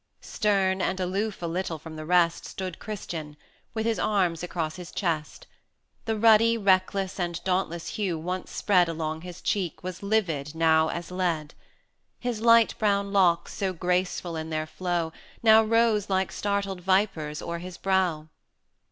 IV. Stern, and aloof a little from the rest, Stood Christian, with his arms across his chest. The ruddy, reckless, dauntless hue once spread Along his cheek was livid now as lead; His light brown locks, so graceful in their flow, Now rose like startled vipers o'er his brow.